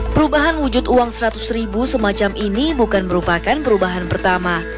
perubahan wujud uang seratus ribu semacam ini bukan merupakan perubahan pertama